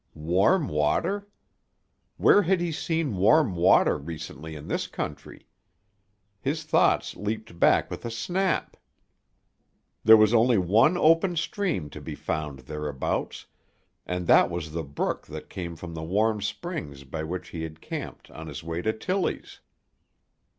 Warm water? Where had he seen warm water recently in this country? His thoughts leaped back with a snap. There was only one open stream to be found thereabouts, and that was the brook that came from the warm springs by which he had camped on his way to Tillie's.